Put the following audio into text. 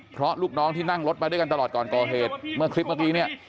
เพราะลูกน้องที่นั่งรถมาด้วยกันตลอดก่อน